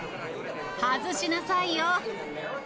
外しなさいよ！